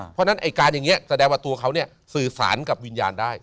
เพราะฉะนั้นไอ้การอย่างนี้แสดงว่าตัวเขาเนี่ยสื่อสารกับวิญญาณได้